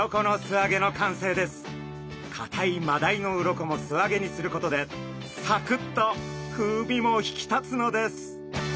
かたいマダイの鱗も素揚げにすることでサクッと風味も引き立つのです。